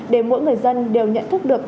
để mỗi người dân đều nhận thức được